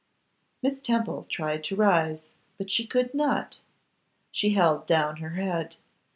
Miss Temple tried to rise, but she could not. She held down her head.